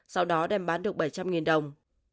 sau đó đem bán được bảy trăm linh đồng